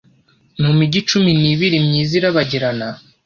Mu mijyi cumi nibiri myiza irabagirana